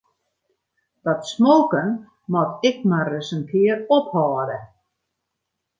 Dat smoken moat ek mar ris in kear ophâlde.